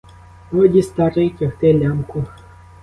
Годі, старий, тягти лямку.